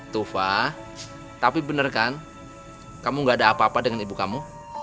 tufa tapi benar kan kamu gak ada apa apa dengan ibu kamu